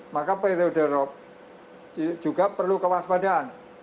maka periode rob juga perlu kewaspadaan